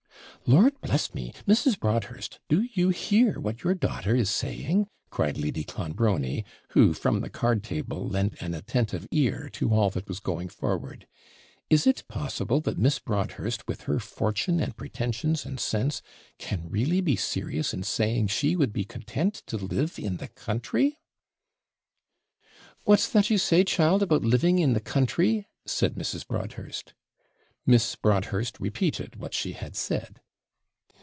'Lord bless me! Mrs. Broadhurst, do you hear what your daughter is saying?' cried Lady Clonbrony, who, from the card table, lent an attentive ear to all that was going forward. 'Is it possible that Miss Broadhurst, with her fortune, and pretensions, and sense, can really be serious in saying she would be content to live in the country?' 'What's that you say, child, about living in the country?' said Mrs. Broadhurst. Miss Broadhurst repeated what she had said.